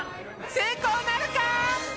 成功なるか？